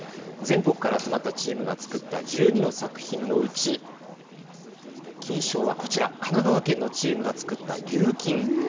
全国から集まったチームが作った１２の作品のうち金賞はこちら、神奈川県のチームが作った琉金。